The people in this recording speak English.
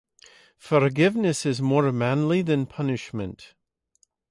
Forgiveness is more manly than punishment.